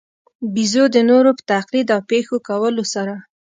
بېزو د نورو په تقلید او پېښو کولو سره.